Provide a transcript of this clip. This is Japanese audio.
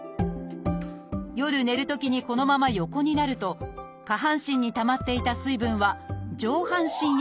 夜寝るときにこのまま横になると下半身にたまっていた水分は上半身へと移動。